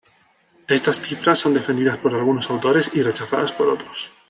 Estas cifras son defendidas por algunos autores y rechazadas por otros.